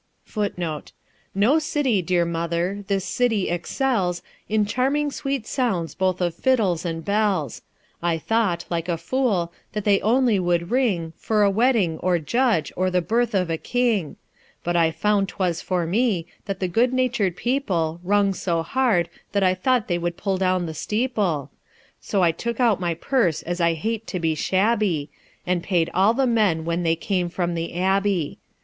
1 1 '' No city, dear mother, this city excels In charming sweet sounds both of fiddles and bells. I thought, like a fool, that they only would ring For a wedding, or judge, or the birth of a king ; But I found 'twas for me, that the good natur'd people Rung so hard, that I thought they would pull down the steeple ; So I took out my purse, as I hate to be shabby, And paid all the men when they came from the Abbey.